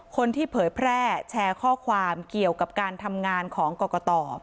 เผยแพร่แชร์ข้อความเกี่ยวกับการทำงานของกรกต